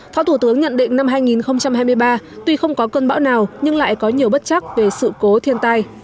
phó thủ tướng nhận định năm hai nghìn hai mươi ba tuy không có cơn bão nào nhưng lại có nhiều bất chắc về sự cố thiên tai